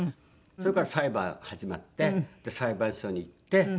それから裁判始まって裁判所に行って。